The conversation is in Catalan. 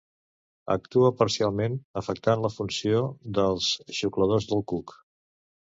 Actua parcialment afectant la funció dels xucladors del cuc.